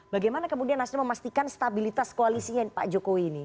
bagaimana kemudian nasdem memastikan stabilitas koalisinya pak jokowi ini